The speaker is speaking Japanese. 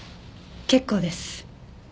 結構です。